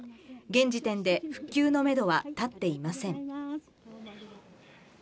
現時点で復旧のメドは立っていません。